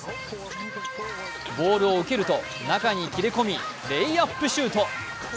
ボールを受けると中に切れ込みレイアップシュート。